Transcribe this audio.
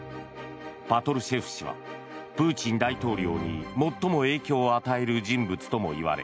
パトルシェフ氏はプーチン大統領に最も影響を与える人物ともいわれ